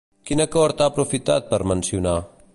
Quin acord ha aprofitat per mencionar?